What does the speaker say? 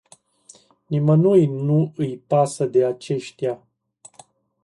Nimănui nu îi pasă de aceștia.